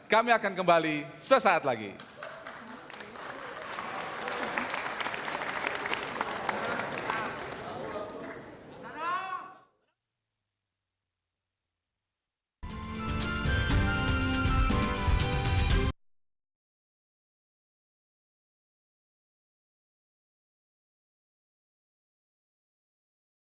kami akan kembali sesaat lain